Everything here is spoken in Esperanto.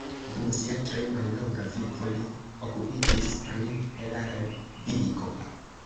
Dum sia tre mallonga vivo li okupiĝis pri heraldiko.